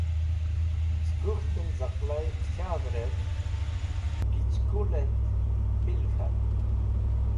Cẽ kũk̃htẽn caqlay qẽchvrẽv kichkulẽt pil k̃hat.